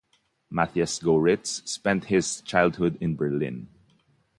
Mathias Goeritz spent his childhood in Berlin.